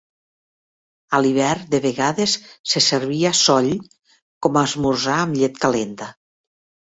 A l'hivern de vegades se servia "soll" com a esmorzar amb llet calenta.